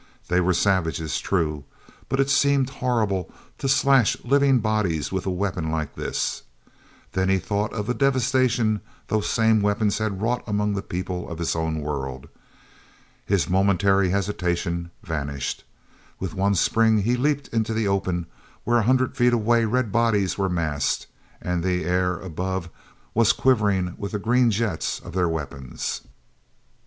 They were savages, true, but it seemed horrible to slash living bodies with a weapon like this. Then he thought of the devastation those same weapons had wrought among the people of his own world. His momentary hesitation vanished. With one spring he leaped into the open where, a hundred feet away, red bodies were massed, and the air above was quivering with the green jets of their weapons.